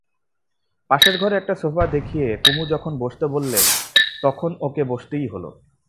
পাশের ঘরে একটা সোফা দেখিয়ে কুমু যখন বসতে বললে, তখন ওকে বসতেই হল।